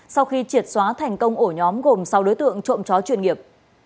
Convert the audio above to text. sau khi triệt xóa thành công ổ nhóm gồm sáu đối tượng trộm chó chuyên nghiệp